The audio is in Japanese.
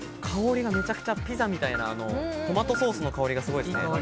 香りがめちゃくちゃピザみたいな、トマトソースの香りがいいですね。